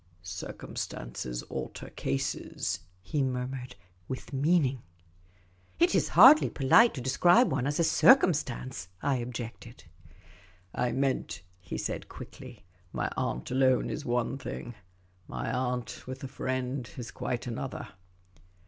" Circumstances alter cases," he murmured, with meaning. "It is hardly polite to describe one as a circumstance," I objected. " I meant," he said, quickly, " my aunt alone is one thing; my aunt with a friend is quite another."